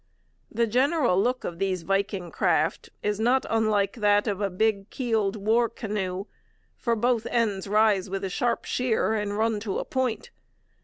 The general look of these Viking craft is not unlike that of a big keeled war canoe, for both ends rise with a sharp sheer and run to a point.